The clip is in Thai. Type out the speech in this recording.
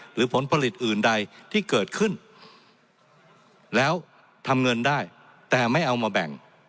หรือผลผลิตอื่นใดที่เกิดขึ้นแล้วทำเงินได้แต่ไม่เอามาแบ่ง